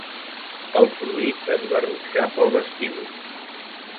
El fluid es va ruixar pel vestíbul.